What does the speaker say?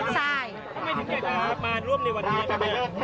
ทำไมถึงเวลามาร่วมในวันนี้กันเนี่ย